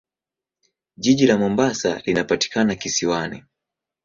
Jiji la Mombasa linapatikana kisiwani.